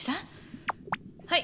はい！